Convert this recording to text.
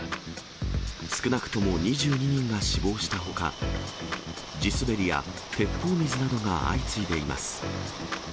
少なくとも２２人が死亡したほか、地滑りや鉄砲水などが相次いでいます。